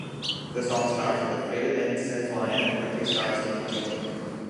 The song starts with a faded-in synth line and quickly starts the main tune.